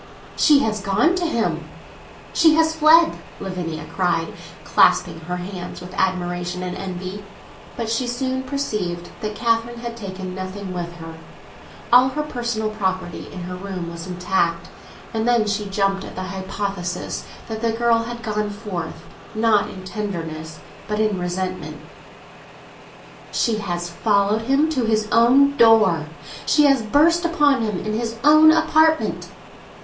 "She has gone to him, she has fled!" Lavinia cried, clasping her hands with admiration and envy. But she soon perceived that Catherine had taken nothing with her—all her personal property in her room was intact—and then she jumped at the hypothesis that the girl had gone forth, not in tenderness, but in resentment. "She has followed him to his own door—she has burst upon him in his own apartment!"